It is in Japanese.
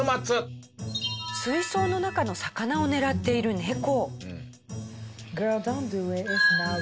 水槽の中の魚を狙っているネコ。